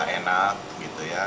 enak gitu ya